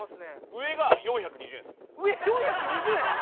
上４２０円？